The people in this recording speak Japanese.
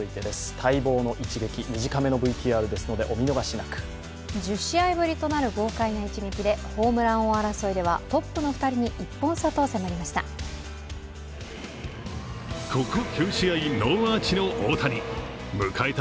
待望の一撃、短めのＶＴＲですので１０試合ぶりとなる豪快な一撃でホームラン王争いではトップの２人に１本差と迫りました。